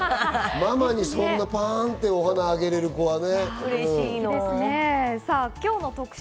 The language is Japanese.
ママにそんなパンってお花をあげられる子はね。